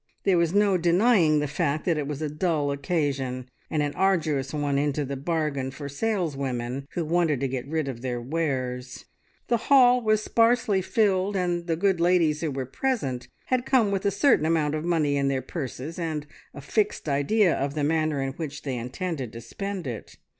There was no denying the fact that it was a dull occasion, and an arduous one into the bargain for sales women who wanted to get rid of their wares. The hall was sparsely filled, and the good ladies who were present had come with a certain amount of money in their purses, and a fixed idea of the manner in which they intended to spend it.